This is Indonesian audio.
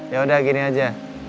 yaudah gini aja